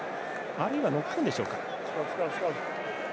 あるいはノックオンでしょうか。